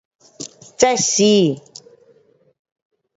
热死